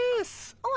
おい